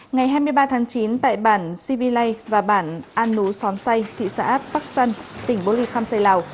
ngày hai mươi ba tháng chín tại bản sivi lay và bản an nú són xây thị xã bắc sân tỉnh bô ly khăm xây lào